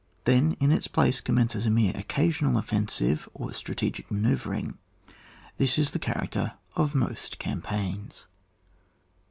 Then in its place commences a mere occasional offensive or strategic ma nceuvring. This is the character of most campaigns.